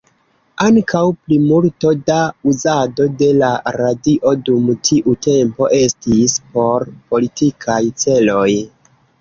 Ankaŭ plimulto da uzado de la radio dum tiu tempo estis por politikaj celoj.